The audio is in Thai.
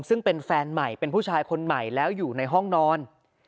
ซึ่งเป็นแฟนใหม่เป็นผู้ชายคนใหม่แล้วอยู่ในห้องนอน